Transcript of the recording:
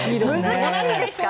難しいですか？